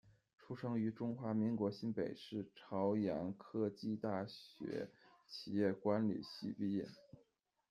出生于中华民国新北市，朝阳科技大学企业管理系毕业。